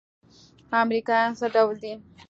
امريکايان څه ډول دي.